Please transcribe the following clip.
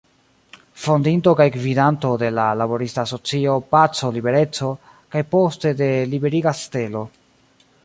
Fondinto kaj gvidanto de la laborista asocio "Paco Libereco", kaj poste de "Liberiga Stelo".